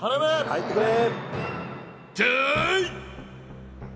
入ってくれ！